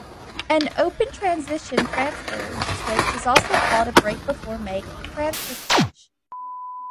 An open transition transfer switch is also called a break-before-make transfer switch.